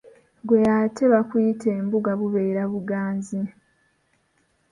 Ggwe ate bakuyita embuga bubeera buganzi?